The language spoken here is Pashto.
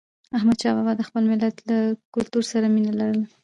احمدشاه بابا د خپل ملت له کلتور سره مینه لرله.